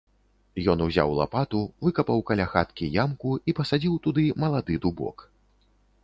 Ён узяў лапату, выкапаў каля хаткі ямку і пасадзіў туды малады дубок.